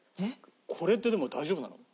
これってでも大丈夫なの？